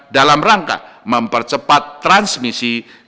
dalam rangka mempercepat transmisi kebijakan ekonomi nasional